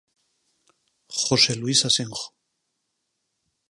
José Luís Asenjo.